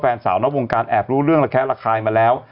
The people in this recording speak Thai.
แฟนสาวนอกวงการแอบรู้เรื่องระแคะระคายมาแล้ว